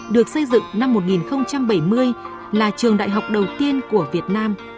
được xây dựng năm một nghìn bảy mươi là trường đại học đầu tiên của việt nam